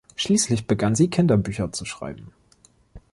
Schließlich begann sie Kinderbücher zu schreiben.